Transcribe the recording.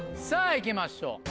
さぁ行きましょう